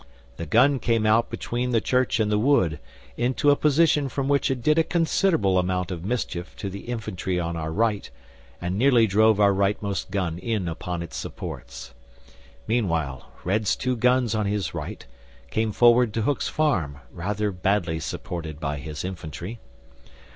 The gun came out between the church and the wood into a position from which it did a considerable amount of mischief to the infantry on our right, and nearly drove our rightmost gun in upon its supports. Meanwhile, Red's two guns on his right came forward to Hook's Farm, rather badly supported by his infantry.